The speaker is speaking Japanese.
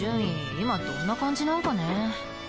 今どんな感じなんかね？